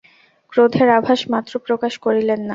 ক্রোধের আভাস মাত্র প্রকাশ করিলেন না।